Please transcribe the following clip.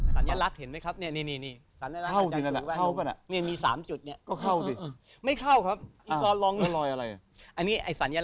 สัญลักษณ์เห็นมั้ยครับนี่นี้มี๓จุดเนี่ย